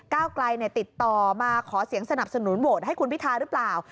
ไกลติดต่อมาขอเสียงสนับสนุนโหวตให้คุณพิทาหรือเปล่า